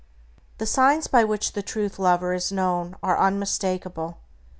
The signs by which the Truth lover is known are unmistakable.